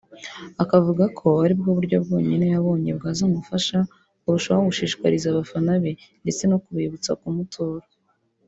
Akavuga ko ari bwo buryo bwonyine yabonye bwazamufasha kurushaho gushishikariza abafana be ndetse no kubibutsa kumutora